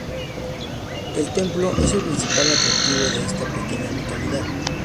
El templo es el principal atractivo de esta pequeña localidad.